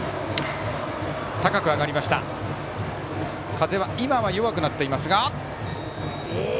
風は今は弱くなっていますが。